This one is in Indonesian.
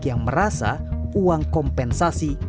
yang merasa uang kompensasi